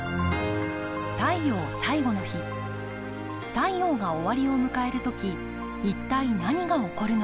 太陽が終わりを迎える時一体何が起こるのか。